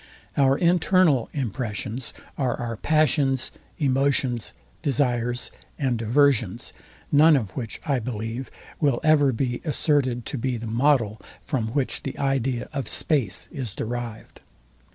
Our internal impressions are our passions, emotions, desires and aversions; none of which, I believe, will ever be asserted to be the model, from which the idea of space is derived.